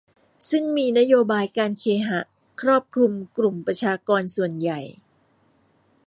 ซึ่งมีนโยบายการเคหะครอบคลุมกลุ่มประชากรส่วนใหญ่